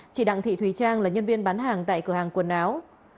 chị đặng thị thùy trang là nhân viên bán hàng tại cửa hàng quần áo